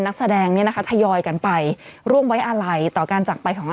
นักแสดงเนี่ยนะคะทยอยกันไปร่วมไว้อาลัยต่อการจักรไปของ